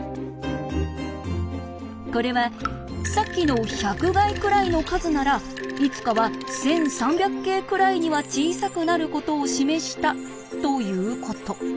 これはさっきの１００垓くらいの数ならいつかは１，３００京くらいには小さくなることを示したということ。